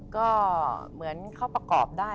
ก็เหมือนเข้าประกอบได้